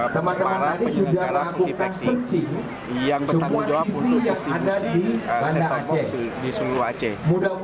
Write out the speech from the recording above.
para penggantian kerajaan yang bertanggung jawab untuk distribusi set top box di seluruh aceh